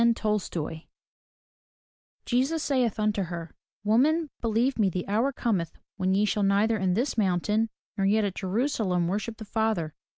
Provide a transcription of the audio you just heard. Tolstoy Jesus saith unto her, Woman, believe me, the hour comeih when ye shall neither in this mountain, nor yet at Jerusalem, worship the Father.